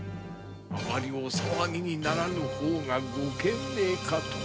あまりお騒ぎにならぬ方がご賢明かと。